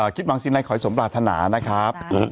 คิดวางซีไนค์ขอให้สมราธนานะครับ